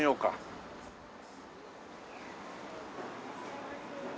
いらっしゃいませ。